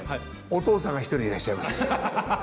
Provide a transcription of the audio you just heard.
お父さんが１人いらっしゃいます。